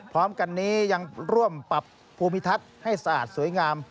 พร้อมกันนี้ยังร่วมปรับภูมิทัศน์ให้สะอาดสวยงาม